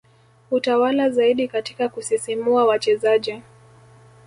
hutawala zaidi katika kusisimua wachezaji